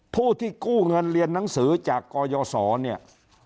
ผู้ที่กู้เงินเรียนหนังสือจากกยศเนี่ย